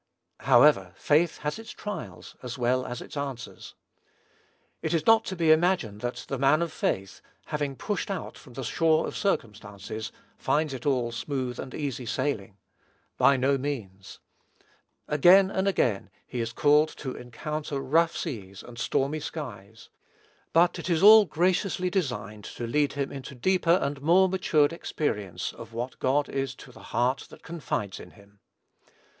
However, faith has its trials, as well as its answers. It is not to be imagined that the man of faith, having pushed out from the shore of circumstances, finds it all smooth and easy sailing. By no means. Again and again he is called to encounter rough seas and stormy skies; but it is all graciously designed to lead him into deeper and more matured experience of what God is to the heart that confides in him.